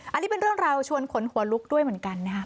อันนี้เป็นเรื่องราวชวนขนหัวลุกด้วยเหมือนกันนะครับ